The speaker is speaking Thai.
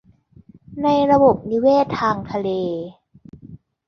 ในระบบนิเวศทางทะเล